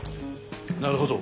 なるほど。